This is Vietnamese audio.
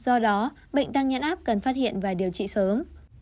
do đó bệnh tăng nhãn áp cần phát hiện và điều trị sớm